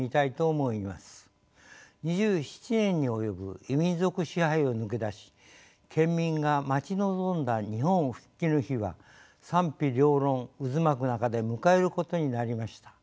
２７年に及ぶ異民族支配を抜け出し県民が待ち望んだ日本復帰の日は賛否両論渦巻く中で迎えることになりました。